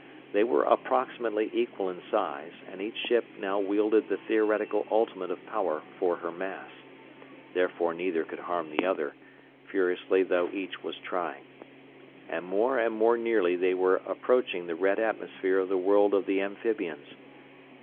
They were approximately equal in size, and each ship now wielded the theoretical ultimate of power for her mass; therefore neither could harm the other, furiously though each was trying. And more and more nearly they were approaching the red atmosphere of the world of the amphibians.